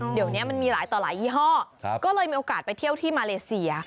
เดี๋ยวนี้มันมีหลายต่อหลายยี่ห้อก็เลยมีโอกาสไปเที่ยวที่มาเลเซีย